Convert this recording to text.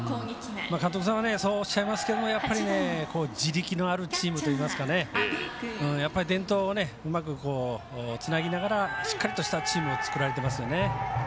監督さんはそうおっしゃいますけど地力のあるチームといいますか伝統をうまくつなぎながらしっかりとしたチームを作られていますよね。